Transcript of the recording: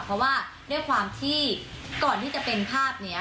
นะเพราะว่าก่อนที่เป็นภาพเนี่ย